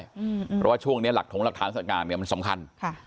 เพราะว่าช่วงนี้หลักฐานสำคัญ